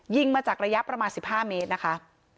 ยิงมาจากระยะประมาณ๑๕เมตรนะคะ